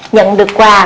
nhận được câu hỏi thứ hai